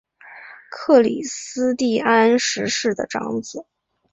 克里斯蒂安十世的长子。